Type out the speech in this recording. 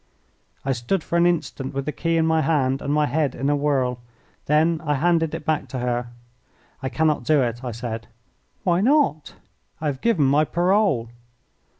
I stood for an instant with the key in my hand and my head in a whirl. Then I handed it back to her. "I cannot do it," I said. "Why not?" "I have given my parole."